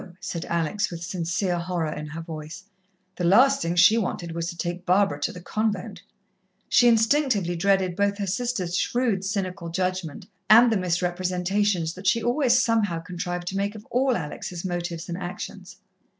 said Alex, with sincere horror in her voice. The last thing she wanted was to take Barbara to the convent. She instinctively dreaded both her sister's shrewd, cynical judgment, and the misrepresentations that she always somehow contrived to make of all Alex' motives and actions.